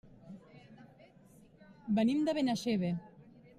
Venim de Benaixeve.